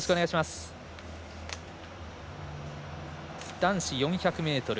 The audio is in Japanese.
男子４００ｍ。